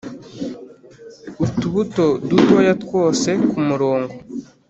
utubuto dutoya twose kumurongo